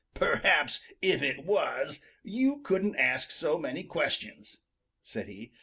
"Perhaps if it was, you couldn't ask so many questions," said he.